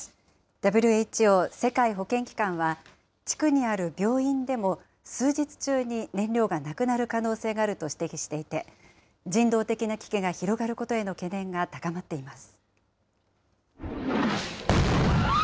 ＷＨＯ・世界保健機関は、地区にある病院でも数日中に燃料がなくなる可能性があると指摘していて、人道的な危機が広がることへの懸念が高まっています。